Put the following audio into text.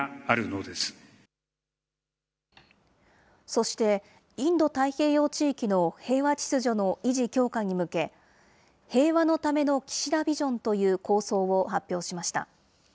そして、インド太平洋地域の平和秩序の維持強化に向け、平和のための岸田ビジョンという構想を発表しました。